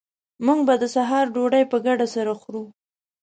موږ به د سهار ډوډۍ په ګډه سره خورو